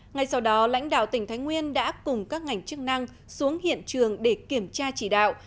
ngay sau đó lãnh đạo tỉnh thái nguyên đã cùng các ngành chức năng xuống hiện trường để kiểm tra chỉ đạo